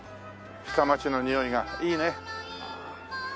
下町のにおいがいいね。